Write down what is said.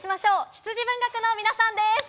羊文学の皆さんです。